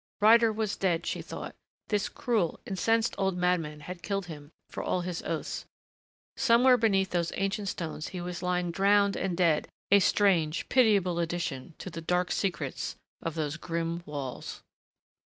Ryder was dead, she thought. This cruel, incensed old madman had killed him, for all his oaths. Somewhere beneath those ancient stones he was lying drowned and dead, a strange, pitiable addition to the dark secrets of those grim walls.